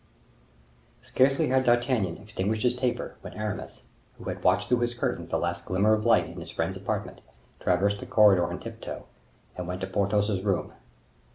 Scarcely had D'Artagnan extinguished his taper, when Aramis, who had watched through his curtains the last glimmer of light in his friend's apartment, traversed the corridor on tiptoe, and went to Porthos's room.